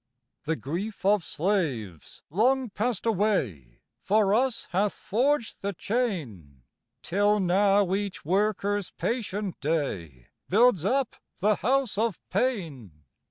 The grief of slaves long passed away For us hath forged the chain, Till now each worker's patient day Builds up the House of Pain.